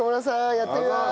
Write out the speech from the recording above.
やってみます！